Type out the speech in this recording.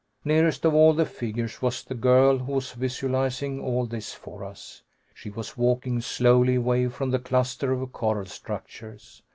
Nearest of all the figures was the girl who was visualizing all this for us. She was walking slowly away from the cluster of coral structures.